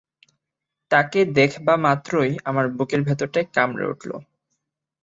তাকে দেখবামাত্রই আমার বুকের ভিতরটায় কামড়ে উঠল।